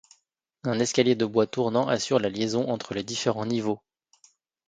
Un escalier de bois tournant assure la liaison entre les différents niveaux.